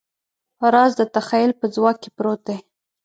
راز د تخیل په ځواک کې پروت دی.